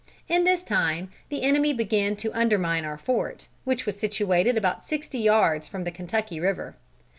In this time the enemy began to undermine our fort, which was situated about sixty yards from the Kentucky river.